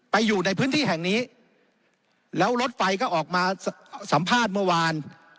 อยู่ในพื้นที่แห่งนี้แล้วรถไฟก็ออกมาสัมภาษณ์เมื่อวาน